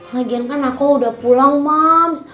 lagian kan aku udah pulang mah